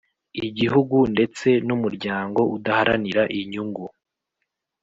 Igihugu, ndetse n’ Umuryango udaharanira inyungu